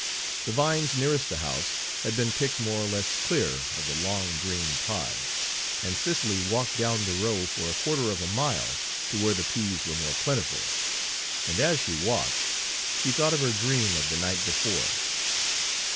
The vines nearest the house had been picked more or less clear of the long Page 134 green pods, and Cicely walked down the row for a quarter of a mile, to where the peas were more plentiful. And as she walked she thought of her dream of the night before.